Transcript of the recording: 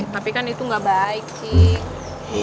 tapi kan itu gak baik sih